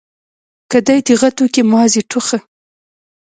که دي دېغت وکئ ماضي ټوخه.